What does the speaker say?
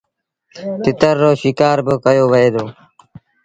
تتر رو شڪآر با ڪيو وهي دو۔